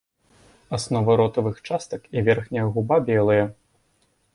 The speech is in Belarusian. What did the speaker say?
Аснова ротавых частак і верхняя губа белыя.